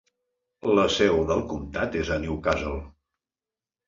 La seu del comtat és a Newcastle.